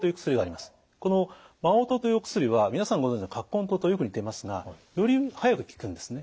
この麻黄湯というお薬は皆さんご存じの葛根湯とよく似ていますがより早く効くんですね。